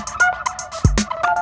kau mau kemana